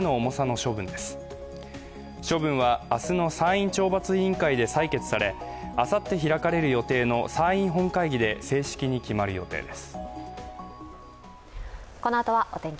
処分は明日の参院・懲罰委員会で採決され、あさって開かれる予定の参院本会議で、正式に決まる予定です。